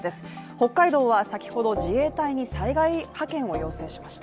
北海道は先ほど自衛隊に災害派遣を要請しました。